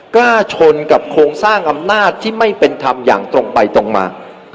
ชนกับโครงสร้างอำนาจที่ไม่เป็นธรรมอย่างตรงไปตรงมา